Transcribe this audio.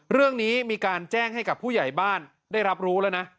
เรื่องนี้มีการแจ้งให้กับผู้ใหญ่บ้านได้รับรู้แล้วนะ